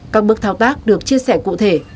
các bước thao tác được chia sẻ cụ thể